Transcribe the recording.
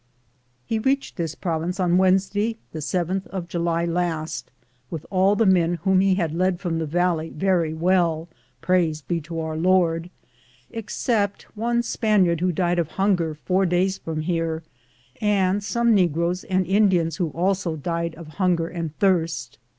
He reached this province on Wednesday, the 7th of July last, with all the men whom he led from the valley very well, praise be to Our Lord, except one Spaniard who died of hunger four days from here and some negroes and Indians who also died of hunger and thirst.